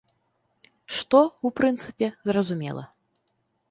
Што, у прынцыпе, зразумела.